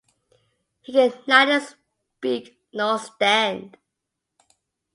He could neither speak nor stand.